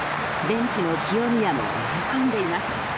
ベンチの清宮も喜んでいます。